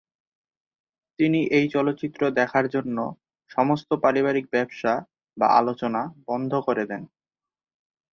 তিনি এই চলচ্চিত্র দেখার জন্য সমস্ত পারিবারিক ব্যবসা বা আলোচনা বন্ধ করে দেন।